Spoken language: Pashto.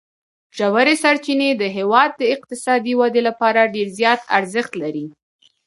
ژورې سرچینې د هېواد د اقتصادي ودې لپاره ډېر زیات ارزښت لري.